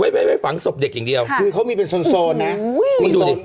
ว่าวิฟังศพเด็กอย่างเดียวค่ะคือเขามีเป็นโซน์โซนน่ะมีโซน